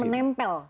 itu kan menempel